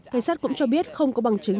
cảnh sát cũng cho biết không có bằng chứng